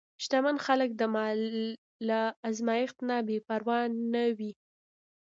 شتمن خلک د مال له ازمېښت نه بېپروا نه وي.